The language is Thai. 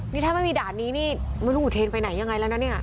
นี่ถ้าไม่มีด่านนี้นี่ไม่รู้อุเทนไปไหนยังไงแล้วนะเนี่ย